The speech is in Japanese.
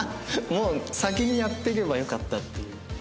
もう先にやっとけばよかったっていう。